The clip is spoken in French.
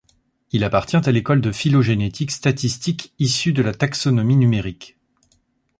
Il appartient à l'école de phylogénétique statistique issue de la taxonomie numérique.